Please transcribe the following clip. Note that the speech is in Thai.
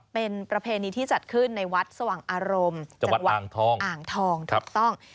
เป็นประเพณีที่จัดขึ้นในวัดสว่างอารมณ์จังหวัดอ่างทองถูกต้อง